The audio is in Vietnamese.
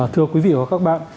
thưa quý vị và các bạn